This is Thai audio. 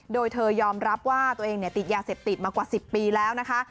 โดยเธอยอมรับว่าตัวเองติดยาเสพติดมากว่า๑๐ปีแล้วนะคะ